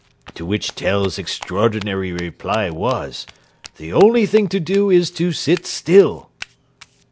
"To which Tell's extraordinary reply was: 'The only thing to do is to sit still.'